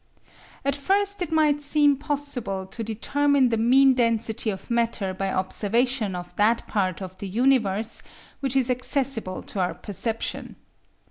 At first it might seem possible to determine the mean density of matter by observation of that part of the universe which is accessible to our perception.